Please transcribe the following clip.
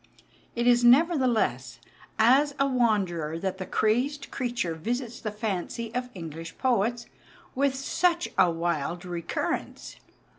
It is nevertheless as a wanderer that the crazed creature visits the fancy of English poets with such a wild recurrence.